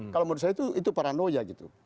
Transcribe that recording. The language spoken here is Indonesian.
kalau menurut saya itu itu paranoia gitu